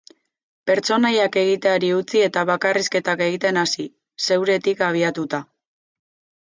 Pertsonaiak egiteari utzi eta bakarrizketak egiten hasi, zeuretik abiatuta.